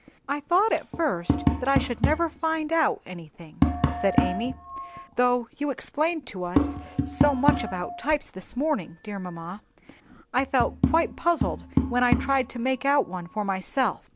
"I thought at first that I should never find out anything," said Amy; "though you explained to us so much about types this morning, dear mamma, I felt quite puzzled when I tried to make out one for myself.